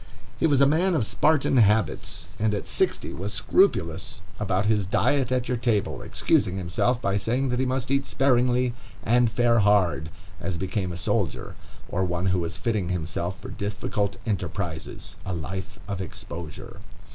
He was a man of Spartan habits, and at sixty was scrupulous about his diet at your table, excusing himself by saying that he must eat sparingly and fare hard, as became a soldier or one who was fitting himself for difficult enterprises, a life of exposure.